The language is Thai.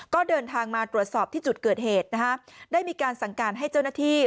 ก็เดินทางมาตรวจสอบที่จุดเกิดเหตุนะฮะได้มีการสั่งการให้เจ้าหน้าที่